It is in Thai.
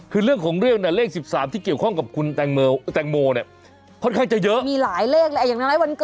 คือเรื่องของเรื่องเลข๑๓ที่เกี่ยวข้องกับคุณแต่งโมค่ะใครจะเยอะ